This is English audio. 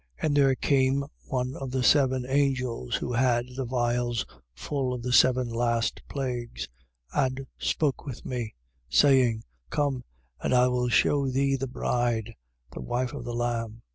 21:9. And there came one of the seven angels, who had the vials full of the seven last plagues, and spoke with me, saying: Come and I will shew thee the bride, the wife of the Lamb.